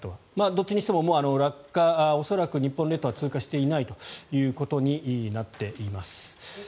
どっちにしても落下恐らく日本列島は通過していないということになっています。